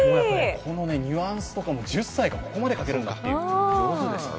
このニュアンスとかも、１０歳がここまで描けるんだっていう。